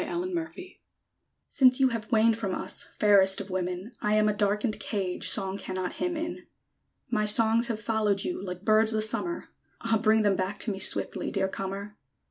A CARRIER SONG Since you have waned from us, Fairest of women, I am a darkened cage Song cannot hymn in. My songs have followed you, Like birds the summer; Ah! bring them back to me, Swiftly, dear comer!